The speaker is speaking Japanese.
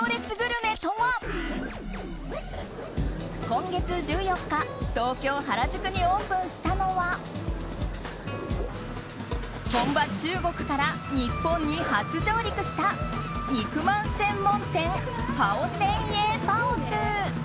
今月１４日東京・原宿にオープンしたのは本場・中国から日本に初上陸した肉まん専門店パオセンイェーパオズ。